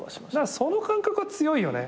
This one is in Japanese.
その感覚は強いよね。